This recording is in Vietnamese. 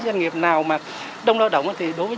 doanh nghiệp nào mà đông lao động thì đối với